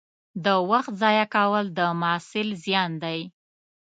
د وخت ضایع کول د محصل زیان دی.